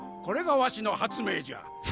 これがワシの発明じゃ。